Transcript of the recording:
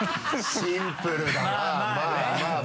シンプルだな。